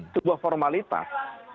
itu buah formalitas